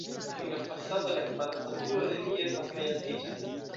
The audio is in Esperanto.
En la fasado la kvadrata turo reliefas kaj altiĝas.